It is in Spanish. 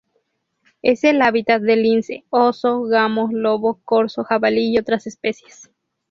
Es el hábitat del lince, oso, gamo, lobo, corzo, jabalí y otras especies.